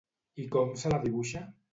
I com se la dibuixa?